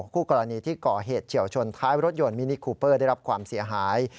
คู่กรณีที่ก่อเหตุเฉียวชนท้ายรถยนต์มินิคูเปอร์ได้รับความเสียหาย